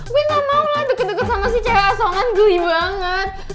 gue gak mau lah deket deket sama si cera songan geli banget